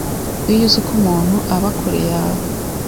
iyo uziko umuntu aba kure yawe